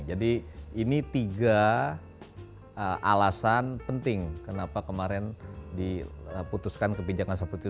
jadi ini tiga alasan penting kenapa kemarin diputuskan ke pinjangan seperti itu